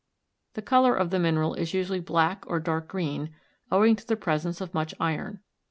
The color of the mineral is usually black or dark green, owing to the presence of much iron.